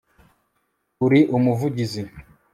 uri umuvugizi